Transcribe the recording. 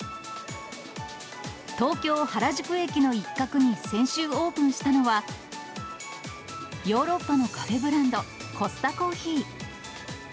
東京・原宿駅の一角に、先週オープンしたのは、ヨーロッパのカフェブランド、コスタコーヒー。